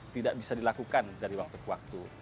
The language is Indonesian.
tidak bisa dilakukan dari waktu ke waktu